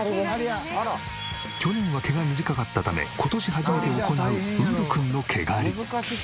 去年は毛が短かったため今年初めて行うウール君の毛刈り。